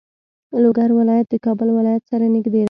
لوګر ولایت د کابل ولایت سره نږدې دی.